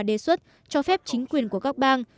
đề xuất cho phép chính quyền của các bang